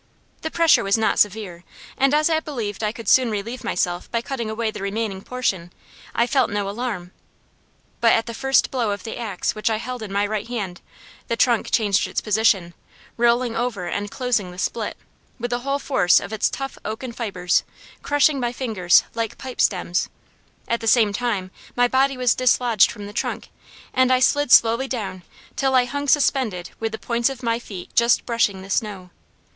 The pressure was not severe, and as I believed I could soon relieve myself by cutting away the remaining portion, I felt no alarm. But at the first blow of the axe which I held in my right hand, the trunk changed its position, rolling over and closing the split, with the whole force of its tough oaken fibers crushing my fingers like pipe stems; at the same time my body was dislodged from the trunk and I slid slowly down till I hung suspended with the points of my feet just brushing the snow.